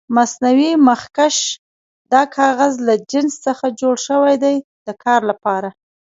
مصنوعي مخکش د کاغذ له جنس څخه جوړ شوي دي د کار لپاره.